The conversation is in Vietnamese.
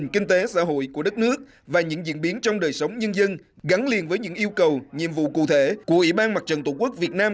kiến trong đời sống nhân dân gắn liền với những yêu cầu nhiệm vụ cụ thể của ủy ban mặt trận tổ quốc việt nam